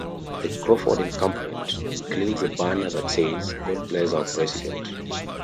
The Crawford encampment includes a banner that says, God Bless Our President!